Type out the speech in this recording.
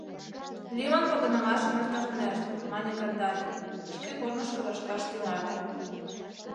Лӱмын погынымашым эртарынешт, — мане Кандалин шке корнышко вашкаш тӱҥале.